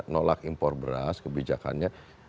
nolak impor beras kebijakannya